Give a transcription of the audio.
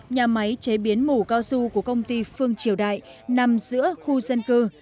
nhà máy chế biến mủ cao su của công ty phương triều đại nằm giữa khu dân cư